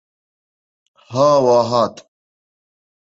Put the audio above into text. Ha wa hat!